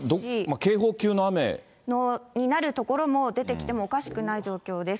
警報級の雨。になる所も出てきてもおかしくない状況です。